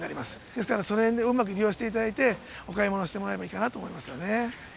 ですからそのへんをうまく利用していただいて、お買い物してもらえればいいかなと思います。